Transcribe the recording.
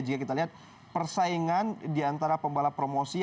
jika kita lihat persaingan di antara pembalap promosi